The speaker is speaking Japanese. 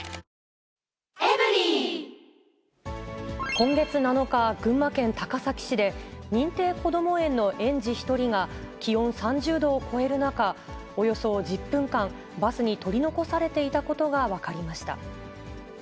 今月７日、群馬県高崎市で、認定こども園の園児１人が、気温３０度を超える中、およそ１０分間、バスに取り残されていたことが分かりました。